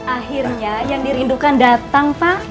akhirnya yang dirindukan datang pak